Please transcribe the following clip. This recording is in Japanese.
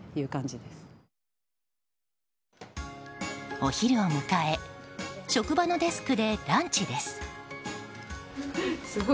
お昼を迎え職場のデスクでランチです。